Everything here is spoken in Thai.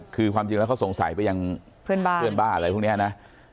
คือความจริงแล้วเขาสงสัยไปยังเพื่อนบ้านเพื่อนบ้านอะไรพวกนี้นะ